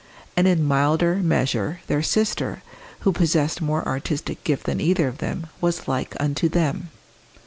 And in milder measure their sister, who possessed more artistic gift than either of them, was like unto them.